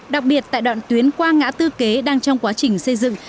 đặc biệt tại đoạn tuyến qua ngã tư kế đang trong quá trình xây dựng